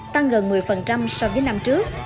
tăng gần một mươi so với năm trước